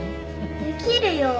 できるよ。